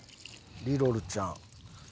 リロルちゃん。